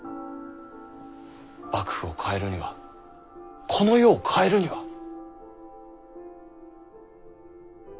幕府を変えるにはこの世を変えるには。